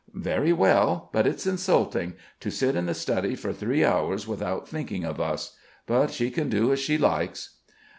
"Very well; but it's insulting. To sit in the study for three hours, without thinking of us. But she can do as she likes."